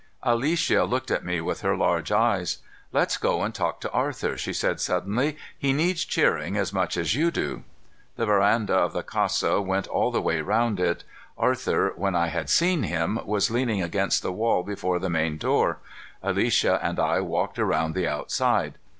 Alicia looked at me with her large eyes. "Let's go and talk to Arthur," she said suddenly. "He needs cheering as much as you do." The veranda of the casa went all the way around it. Arthur, when I had seen him, was leaning against the wall before the main door. Alicia and I walked around the outside.